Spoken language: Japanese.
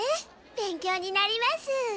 勉強になります。